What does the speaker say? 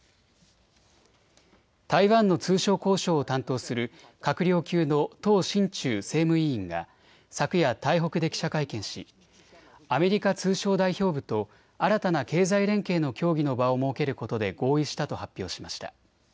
台湾の通商交渉を担当する閣僚級のとう振中政務委員が昨夜、台北で記者会見しアメリカ通商代表部と新たな経済連携の協議の場を設けることで合意したと発表しました。